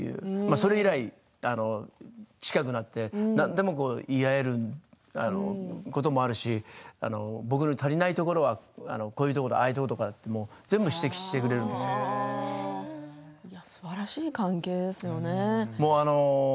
それ以来、近くなって何でも言い合えることもあるし僕の足りないところはこういうところああいうところとすばらしい関係ですよね。